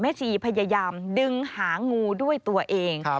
ชีพยายามดึงหางูด้วยตัวเอง